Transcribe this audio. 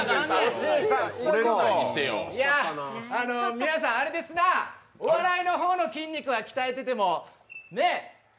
皆さん、あれですな、お笑いの方の筋肉は鍛えててもねえ